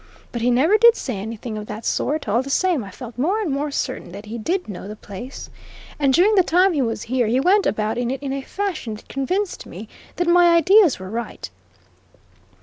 But he never did say anything of that sort all the same, I felt more and more certain that he did know the place. And during the time he was here, he went about in it in a fashion that convinced me that my ideas were right.